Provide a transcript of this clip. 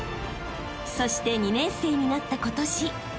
［そして２年生になった今年］